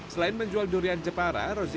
selain menjual durian jepara